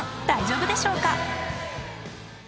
大丈夫でしょうか？